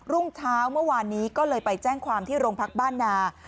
รุ่งเช้าเมื่อวานนี้ก็เลยไปแจ้งความที่โรงพักบ้านนา